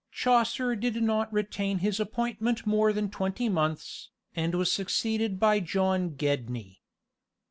Chaucer did not retain his appointment more than twenty months, and was succeeded by John Gedney.